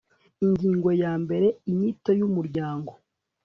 ingingo ya mbere inyito y umuryango